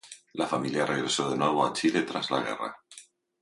La familia regresó de nuevo a Chile tras la guerra.